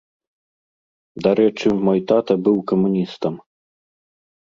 Дарэчы, мой тата быў камуністам.